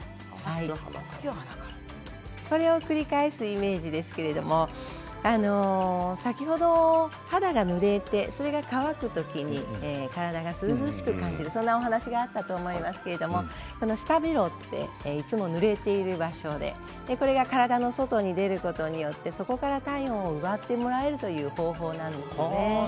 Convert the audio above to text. これを繰り返すイメージですけれど先ほど肌がぬれてそれが乾く時に体が涼しく感じるそんなお話があったと思いますけれど舌、ベロはいつもぬれている場所でこれが体の外に出ることでそこから体温を奪ってもらえるという方法なんですよね。